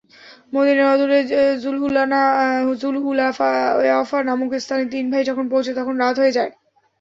মদীনার অদূরে জুলহুলায়ফা নামক স্থানে তিন ভাই যখন পৌঁছে তখন রাত হয়ে যায়।